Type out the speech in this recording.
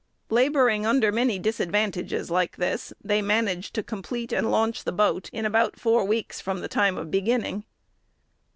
Laboring under many disadvantages like this, they managed to complete and launch the boat in about four weeks from the time of beginning.